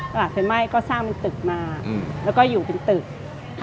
ไฟไหม้ก็สร้างเป็นตึกมาแล้วก็อยู่เป็นตึก